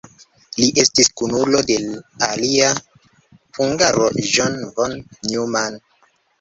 Li estis kunulo de alia hungaro John von Neumann.